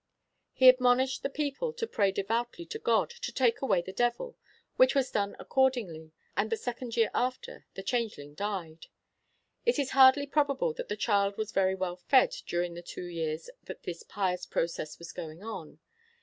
He admonished the people to pray devoutly to God to take away the devil, which 'was done accordingly; and the second year after the changeling died.' It is hardly probable that the child was very well fed during the two years that this pious process was going on.